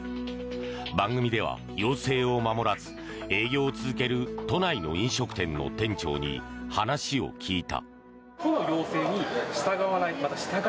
番組では要請を守らず営業を続ける都内の飲食店の店長に話を聞いた。